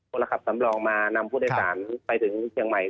คนขับสำรองมานำผู้โดยสารไปถึงเชียงใหม่